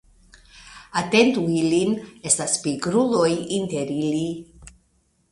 Atentu ilin; estas pigruloj inter ili.